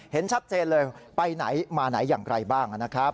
เห็นชัดเจนเลยไปไหนมาไหนอย่างไรบ้างนะครับ